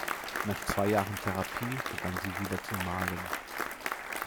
Nach zwei Jahren Therapie begann sie wieder zu malen.